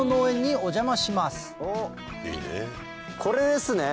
おっこれですね。